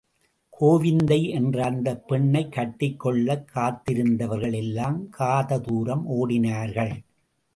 கோவிந்தை என்ற அந்தப் பெண்ணைக் கட்டிக் கொள்ளக் காத்திருந்தவர்கள் எல்லாம் காத தூரம் ஓடினார்கள்.